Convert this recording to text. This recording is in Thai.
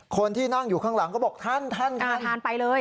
คนที่นั่งอยู่ข้างหลังก็บอกทันทันไปเลย